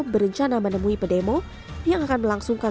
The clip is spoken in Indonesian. berencana menemui pedemo yang akan melangsungkan